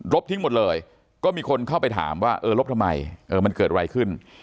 ทิ้งหมดเลยก็มีคนเข้าไปถามว่าเออลบทำไมมันเกิดอะไรขึ้น